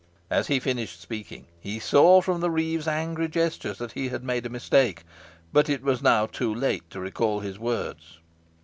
As he finished speaking, he saw from the reeve's angry gestures that he had made a mistake, but it was now too late to recall his words.